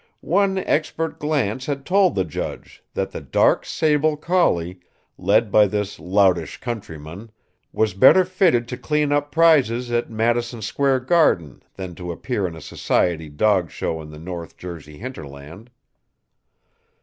One expert glance had told the judge that the dark sable collie, led by this loutish countryman, was better fitted to clean up prizes at Madison Square Garden than to appear in a society dog show in the North Jersey hinterland.